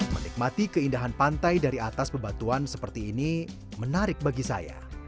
menikmati keindahan pantai dari atas bebatuan seperti ini menarik bagi saya